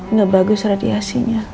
nggak bagus radiasinya